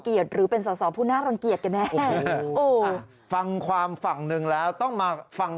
เกียรติหรือเป็นส่อผู้น่าอ้อภังความฝั่งหนึ่งแล้วต้องมาฟัง